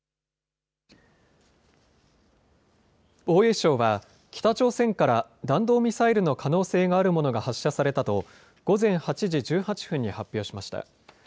防衛省は北朝鮮から弾道ミサイルの可能性があるものが発射されたと午前８時１８分に発表しました。